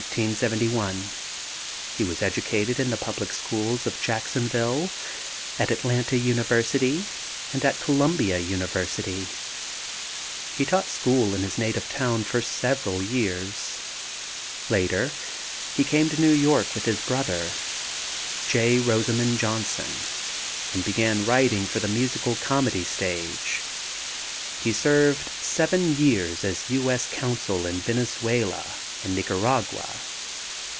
He was educated in the public schools of Jacksonville, at Atlanta University and at Columbia University. He taught school in his native town for several years. Later he came to New York with his brother, J. Rosamond Johnson, and began writing for the musical comedy stage. He served seven years as U. S. Consul in Venezuela and Nicaragua.